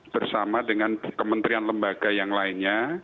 bersama dengan kementerian lembaga yang lainnya